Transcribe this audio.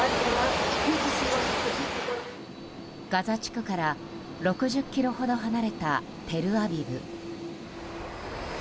ガザ地区から６０ｋｍほど離れたテルアビブ。